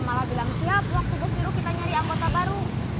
kenapa malah bilang siap waktu bos diru kita nyari anggota baru